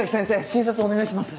診察お願いします。